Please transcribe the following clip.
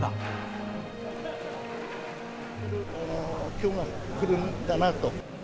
きょうが来るんだなと。